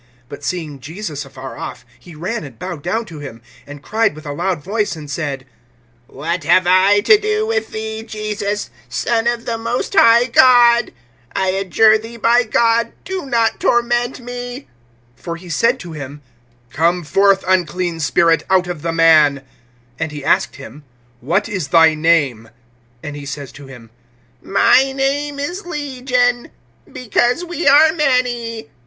(6)But seeing Jesus afar off, he ran and bowed down to him, (7)and cried with a loud voice, and said: What have I to do with thee, Jesus, Son of the most high God? I adjure thee by God, do not torment me. (8)For he said to him: Come forth, unclean spirit, out of the man. (9)And he asked him: What is thy name? And he says to him: My name is Legion; because we are many.